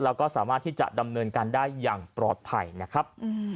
แล้วก็สามารถที่จะดำเนินการได้อย่างปลอดภัยนะครับ